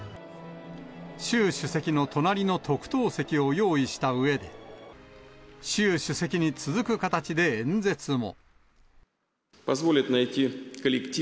習主席の隣の特等席を用意したうえで、習主席に続く形で演説も。